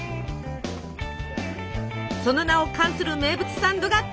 その名を冠する名物サンドがこちら。